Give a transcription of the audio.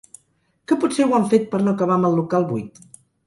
Que potser ho han fet per no acabar amb el local buit?